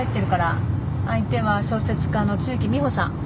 相手は小説家の露木美帆さん。